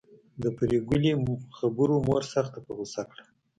د پري ګلې خبرو مور سخته په غصه کړه